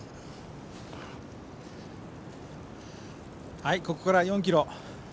はいここから４ｋｍ。